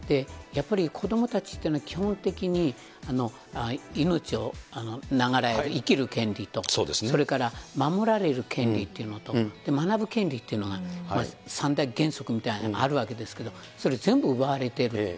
やっぱり、子どもたちっていうのは、基本的に命を長らえる、生きる権利と、それから守られる権利っていうのと、学ぶ権利っていうのが、３大原則みたいにあるわけですけれども、それ、全部奪われてる。